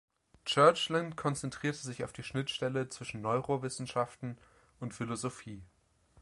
Churchland konzentrierte sich auf die Schnittstelle zwischen Neurowissenschaften und Philosophie.